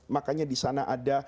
makanya disana ada